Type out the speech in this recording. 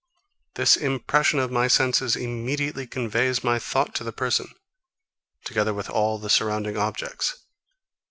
This impression of my senses immediately conveys my thought to the person, together with all the surrounding objects.